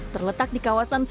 terletak di kawasan senopal